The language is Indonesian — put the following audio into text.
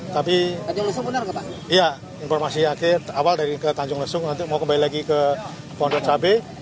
tapi informasi akhir awal dari ke tanjung lesung nanti mau kembali lagi ke pondok cabai